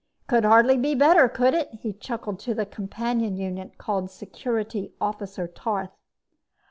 "Could hardly be better, could it?" he chuckled to the companion unit called Security Officer Tarth.